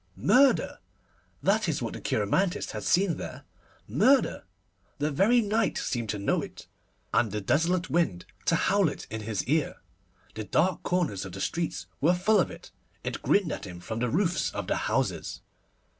Murder! that is what the cheiromantist had seen there. Murder! The very night seemed to know it, and the desolate wind to howl it in his ear. The dark corners of the streets were full of it. It grinned at him from the roofs of the houses.